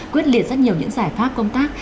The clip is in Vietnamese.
quyết liệt rất nhiều những giải pháp công tác